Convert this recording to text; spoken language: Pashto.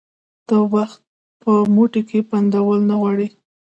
ته وخت په موټې کي بندول نه غواړي